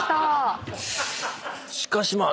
しかしまあ。